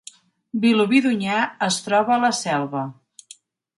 Vilobí d’Onyar es troba a la Selva